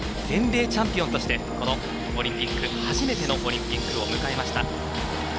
全米チャンピオンとしてこのオリンピック初めてのオリンピックを迎えました。